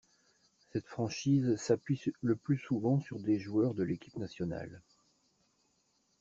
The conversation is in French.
Cette franchise s'appuie le plus souvent sur des joueurs de l'équipe nationale.